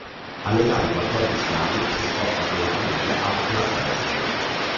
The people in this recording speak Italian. All'età di quattordici anni si sposta con la famiglia a Placentia.